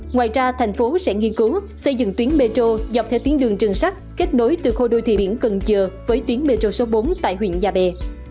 ngoài ra thành phố sẽ nghiên cứu xây dựng tuyến metro dọc theo tuyến đường trường sắt kết nối từ khu đô thị biển cần giờ với tuyến metro số bốn tại huyện nhà bè